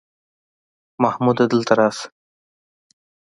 محموده دلته راسه!